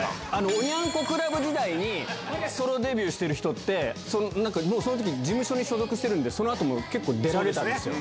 おニャン子クラブ時代にソロデビューしてる人って事務所に所属してるんでその後結構出られたんです。